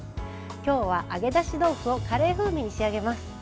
今日は揚げ出し豆腐をカレー風味に仕上げます。